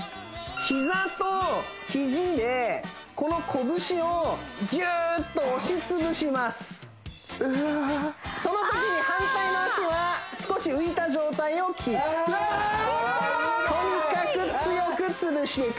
膝とヒジでこの拳をギューッと押しつぶしますそのときに反対の足は少し浮いた状態をキープうわあ！